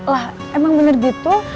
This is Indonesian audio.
lah emang bener gitu